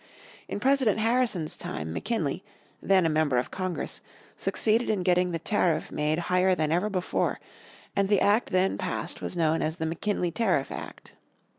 In President Harrison's time McKinley, then a member of Congress, succeeded in getting the tariff made higher than ever before, and the Act then passed was known as the McKinley Tariff Act.